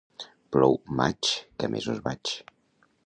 Plou maig, que a mesos vaig.